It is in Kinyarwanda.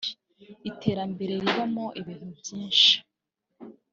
iterambere ribamo ibintu byinshi